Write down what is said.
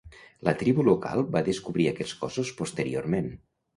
La tribu local va descobrir aquests cossos posteriorment.